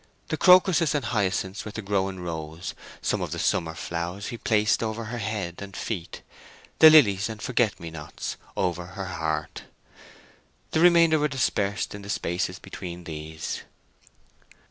The crocuses and hyacinths were to grow in rows; some of the summer flowers he placed over her head and feet, the lilies and forget me nots over her heart. The remainder were dispersed in the spaces between these.